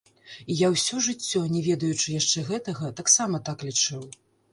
І я ўсё жыццё, не ведаючы яшчэ гэтага, таксама так лічыў.